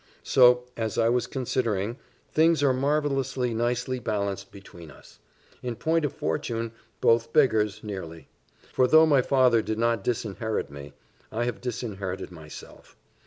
So, as I was considering, things are marvellously nicely balanced between us. In point of fortune, both beggars nearly; for though my father did not disinherit me, I have disinherited myself.